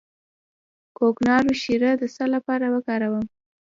د کوکنارو شیره د څه لپاره وکاروم؟